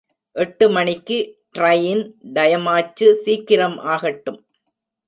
எட்டு மணிக்கு ட்ரையின் டயமாச்சு சீக்கிரம் ஆகட்டும்.